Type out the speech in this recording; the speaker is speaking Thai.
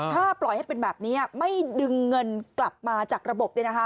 ถ้าปล่อยให้เป็นแบบนี้ไม่ดึงเงินกลับมาจากระบบ